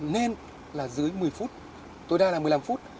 nên là dưới một mươi phút tối đa là một mươi năm phút